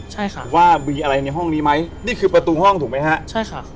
ใช่ค่ะว่ามีอะไรในห้องนี้ไหมนี่คือประตูห้องถูกไหมฮะใช่ค่ะ